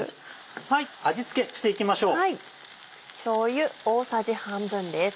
味付けしていきましょう。